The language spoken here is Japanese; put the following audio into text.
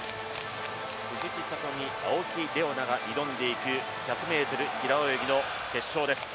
鈴木聡美、青木玲緒樹が挑んでいく１００ｍ平泳ぎの決勝です。